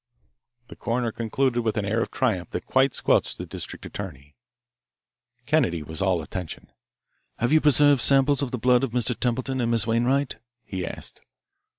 The coroner concluded with an air of triumph that quite squelched the district attorney. Kennedy was all attention. "Have you preserved samples of the blood of Mr. Templeton and Miss Wainwright?" he asked.